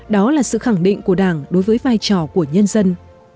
đó là sự khẳng định của đảng đối với vai trò của nhân dân